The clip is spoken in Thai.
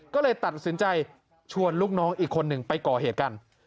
ก็เลยตัดสินใจชวนลูกน้องอีกคนหนึ่งไปก่อเหตุกัน